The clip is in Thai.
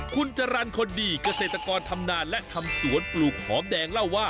คุณจรรย์คนดีเกษตรกรทำนานและทำสวนปลูกหอมแดงเล่าว่า